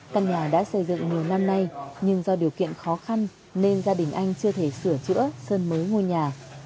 căn nhà đã xây dựng nhiều năm nay nhưng do điều kiện khó khăn nên gia đình anh chưa thể sửa chữa sơn mới ngôi nhà